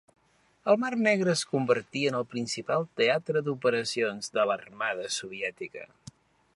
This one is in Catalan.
El Mar Negre es convertí en el principal teatre d'operacions de l'Armada Soviètica.